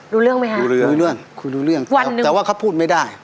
รู้เรื่องไหมครับคุยรู้เรื่องแต่ว่าเขาพูดไม่ได้